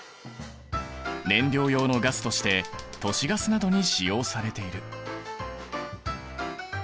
燃料用のガスとして都市ガスなどに使用されている。